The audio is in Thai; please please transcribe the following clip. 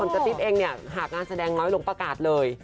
กระติ๊บเองเนี่ยหากงานแสดงน้อยลงประกาศเลย